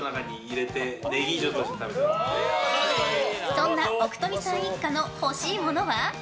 そんな奥冨さん一家の欲しいものは。